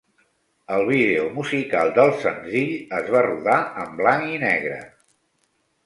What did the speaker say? El vídeo musical del senzill es va rodar en blanc i negre.